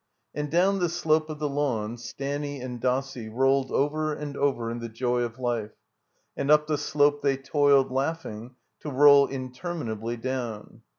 And down the slope of the lawn, Stanny and Dos sie rolled over and over in the joy of life. And up the slope they toiled, laughing, to roll interminably down.